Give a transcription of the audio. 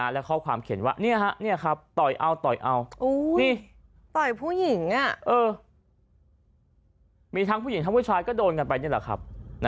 และข้อความเขียนว่าต่อยเอาต่อยเอาต่อยผู้หญิงมีทั้งผู้หญิงทั้งผู้ชายก็โดนกันไปนี่แหละครับ